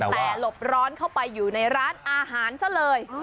แต่หลบร้อนเข้าไปอยู่ในร้านอาหารซะเลย